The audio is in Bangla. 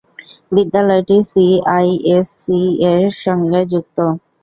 বিদ্যালয়টি সিআইএসসিই-র সঙ্গে যুক্ত।